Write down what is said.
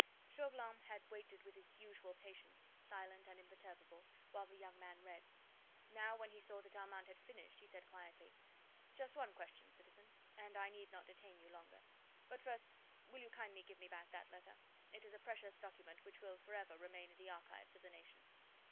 Chauvelin had waited with his usual patience, silent and imperturbable, while the young man read. Now when he saw that Armand had finished, he said quietly: "Just one question, citizen, and I need not detain you longer. But first will you kindly give me back that letter? It is a precious document which will for ever remain in the archives of the nation."